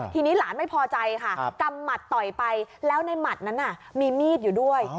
ทีนี้หลานไม่พอใจค่ะกำหมัดต่อยไปแล้วในหมัดนั้นมีมีดอยู่ด้วย